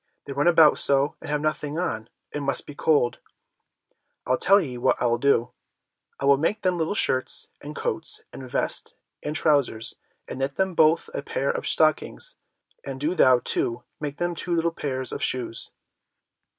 They run about so, and have nothing on, and must be cold. I'll tell thee what I'll do: I will make them little shirts, and coats, and vests, and trousers, and knit both of them a pair of stockings, and do thou, too, make them two little pairs of shoes."